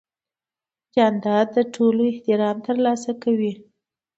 جانداد د ټولو احترام ترلاسه کوي.